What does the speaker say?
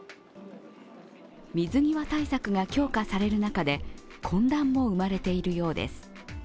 水際対策が強化される中で、混乱も生まれているようです。